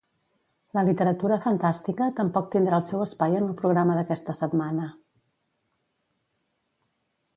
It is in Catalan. La literatura fantàstica tampoc tindrà el seu espai en el programa d'aquesta setmana.